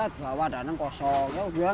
ada di bawah ada yang kosong